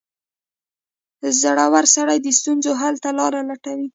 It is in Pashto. • زړور سړی د ستونزو حل ته لاره لټوي.